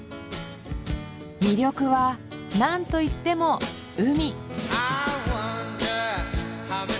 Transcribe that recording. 魅力はなんといっても海。